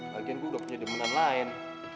lagian gue udah punya demenan lain